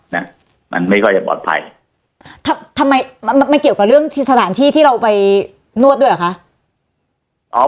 นะมันไม่ค่อยจะปลอดภัยทำไมมันไม่เกี่ยวกับเรื่องสถานที่ที่เราไปนวดด้วยเหรอคะอ๋อ